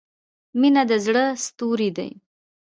• مینه د زړۀ ستوری دی.